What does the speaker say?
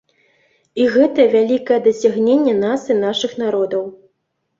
І гэта вялікае дасягненне нас і нашых народаў.